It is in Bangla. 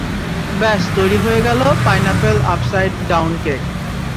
ব্যাস তৈরি হয়ে গেল pineapple upside down cake.